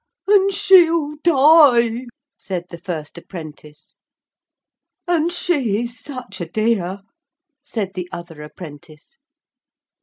'And she'll die,' said the first apprentice. 'And she is such a dear,' said the other apprentice.